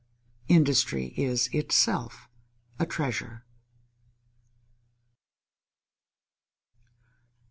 _Industry is itself a treasure.